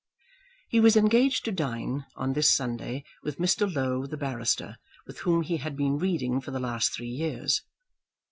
He was engaged to dine on this Sunday with Mr. Low, the barrister, with whom he had been reading for the last three years.